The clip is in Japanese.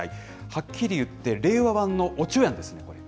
はっきり言って、令和版のおちょやんです、これ。